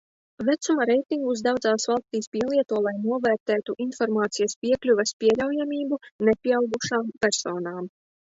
Vecuma reitingus daudzās valstīs pielieto, lai novērtētu informācijas piekļuves pieļaujamību nepieaugušām personām.